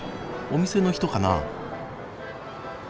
お店の人かな？